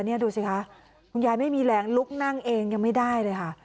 นี่ดูสิคะคุณยายไม่มีแรงลุกนั่งเองยังไม่ได้เลยค่ะ